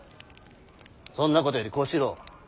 そんなことより小四郎。